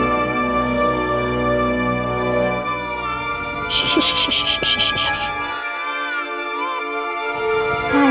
kok bisa ada bayi disini